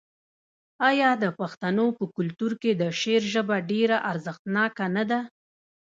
آیا د پښتنو په کلتور کې د شعر ژبه ډیره اغیزناکه نه ده؟